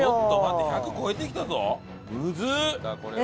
１００超えてきたぞ。